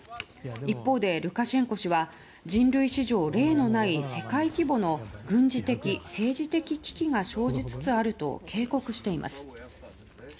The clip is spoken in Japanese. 一方でルカシェンコ氏は人類史上、例のない世界規模の軍事的、政治的危機が生じつつあると警告しています。